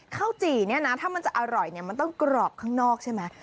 จี่เนี่ยนะถ้ามันจะอร่อยเนี่ยมันต้องกรอบข้างนอกใช่ไหม